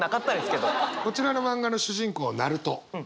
こちらの漫画の主人公ナルト。